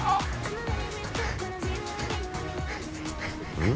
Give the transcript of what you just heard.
うん？